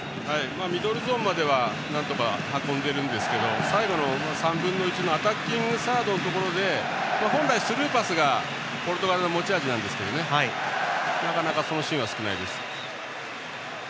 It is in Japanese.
ミドルゾーンまではなんとか運んでるんですがサイドの３分の１のアタッキングサードのところで本来はスルーパスがポルトガルの持ち味なんですけどなかなか、そのシーンは少ないです。